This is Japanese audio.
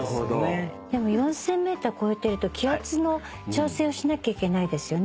でも４，０００ｍ超えてると気圧の調整をしなきゃいけないですよね。